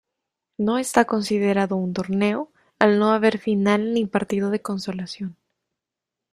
No está considerado un torneo al no haber final ni partido de consolación.